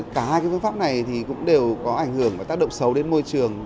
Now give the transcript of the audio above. cả hai phương pháp này thì cũng đều có ảnh hưởng và tác động xấu đến môi trường